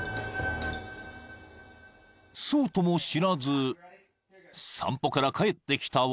［そうとも知らず散歩から帰ってきたワンちゃんたち］